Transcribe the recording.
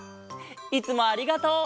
いつもありがとう！